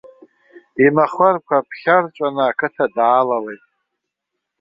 Имахәарқәа ԥхьарҵәаны ақыҭа даалалеит.